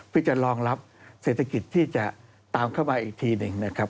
เพื่อจะรองรับเศรษฐกิจที่จะตามเข้ามาอีกทีหนึ่งนะครับ